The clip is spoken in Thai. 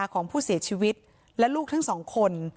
ของผู้เสียชีวิตและลูกทั้งสองคน